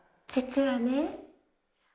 実はね。